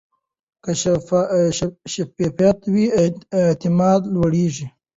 که شفافیت وي، اعتماد لوړېږي.